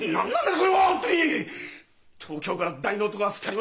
これは本当に！